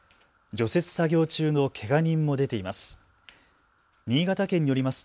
除雪作業中のけが人も出ています。